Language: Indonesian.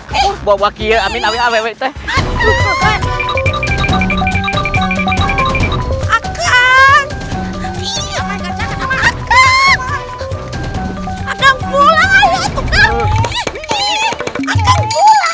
hai bawa bawa kira amin awet awet teh akan akan pulang ayo tuh